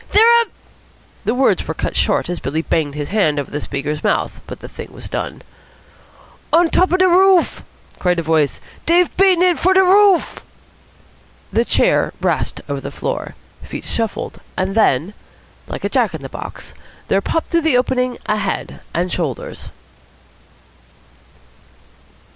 They're up " The words were cut short as Billy banged his hand over the speaker's mouth. But the thing was done. "On top de roof," cried a voice. "Dey've beaten it for de roof." The chair rasped over the floor. Feet shuffled. And then, like a jack in the box, there popped through the opening a head and shoulders.